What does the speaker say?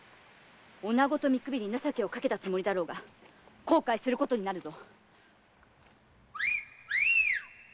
女子とみくびり情けをかけたつもりだろうが後悔することになるぞ。